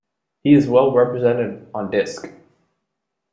He is well represented on disc.